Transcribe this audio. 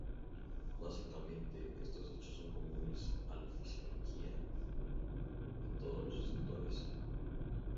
Básicamente, estos hechos son comunes a la fisiología de todos los receptores.